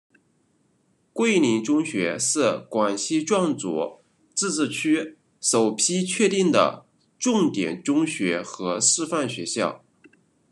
桂林中学是广西壮族自治区首批确定的重点中学和示范学校。